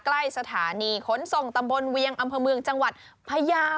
ใกล้สถานีขนส่งตำบลเวียงอำเภอเมืองจังหวัดพยาว